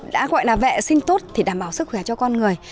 đã gọi là vệ sinh tốt thì đảm bảo sức khỏe cho con người